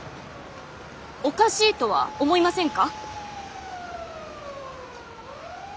おかしいとは思いませんか？